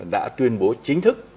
đã tuyên bố chính thức